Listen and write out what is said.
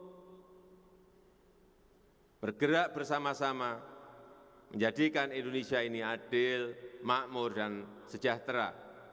kita bergerak bersama sama menjadikan indonesia ini adil makmur dan sejahtera